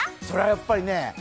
それはやっぱりね